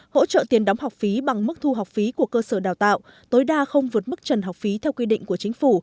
hỗ trợ tiền đóng học phí bằng mức thu học phí của cơ sở đào tạo tối đa không vượt mức trần học phí theo quy định của chính phủ